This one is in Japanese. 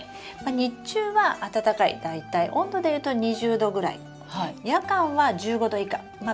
日中は暖かい大体温度でいうと２０℃ぐらい夜間は１５℃以下まあ